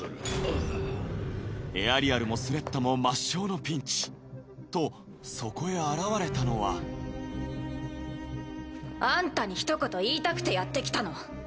・ウィーンエアリアルもスレッタも抹消のピンチとそこへ現れたのはあんたにひと言言いたくてやってきたの。